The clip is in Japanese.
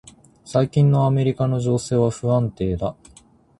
最近のアメリカの情勢は不安定だ。